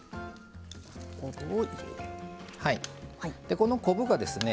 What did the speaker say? この昆布がですね